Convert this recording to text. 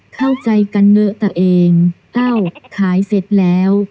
เข้าใจกันเนอะตัวเองอ้าวขายเสร็จแล้ว